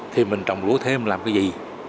thì mình trồng lúa thêm làm cái gì